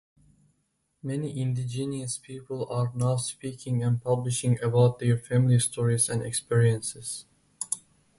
Many Indigenous people are now speaking and publishing about their family stories and experiences.